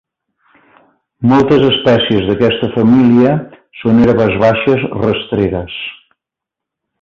Moltes espècies d'aquesta família són herbes baixes, rastreres.